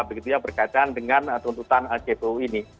begitu ya berkaitan dengan tuntutan jpu ini